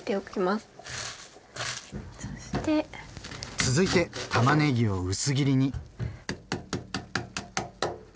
続いてたまねぎを薄切りに。